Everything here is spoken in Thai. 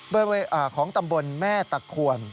เบอร์ไว้ของตำบลแม่ตะควร